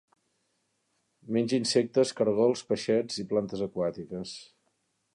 Menja insectes, caragols, peixets i plantes aquàtiques.